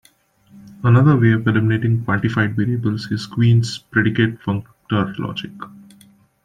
Another way of eliminating quantified variables is Quine's predicate functor logic.